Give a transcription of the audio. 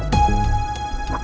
terima kasih pak chandra